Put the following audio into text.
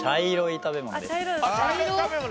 茶色い食べ物？